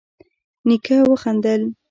نيکه وخندل: